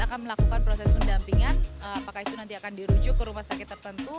akan melakukan proses pendampingan apakah itu nanti akan dirujuk ke rumah sakit tertentu